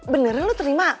beneran lo terima